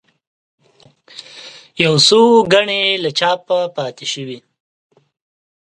یو څو ګڼې له چاپه پاتې شوې.